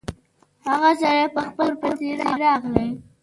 هغه سړی په خپل پور پسې راغی.